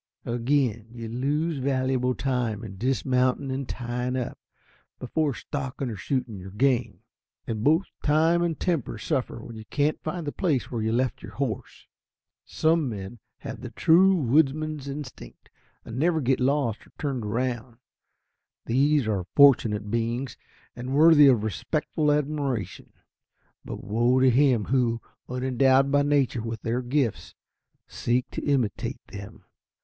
Again, you lose valuable time in dismounting and tying up, before stalking or shooting your game. And both time and temper suffer when you can't find the place where you left your horse. Some men have the true woodsman's instinct, and never get lost or turned round. These are fortunate beings, and worthy of respectful admiration. But woe to him who, unendowed by nature with their gifts, seeks to imitate them.